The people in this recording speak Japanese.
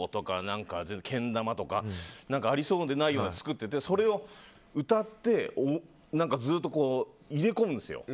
けん玉とか、ありそうでないようなのを作ってて歌って、ずっと入れ込むんですよ。